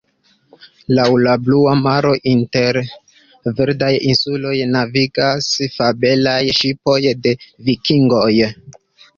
Laŭ la blua maro inter verdaj insuloj navigas fabelaj ŝipoj de vikingoj.